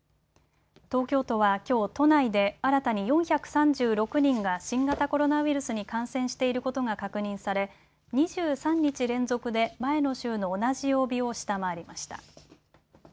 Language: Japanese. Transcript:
東京都はきょう都内で新たに４３６人が新型コロナウイルスに感染していることが確認され２３日連続で前の週の同じ曜日を下回りました。